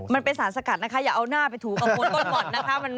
มันเป็นสารสกัดนะคะอย่าเอาหน้าไปถูกับบนต้นบ่อนนะคะ